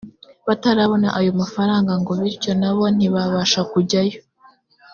batarabona ayo mafaranga, ngo bityo nabo ntibabasha kujyayo